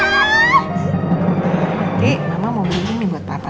nanti mama mau beli mie buat papa